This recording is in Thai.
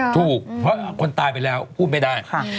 ถูกคุณคนตายไปแล้วแหละพูดไม่ได้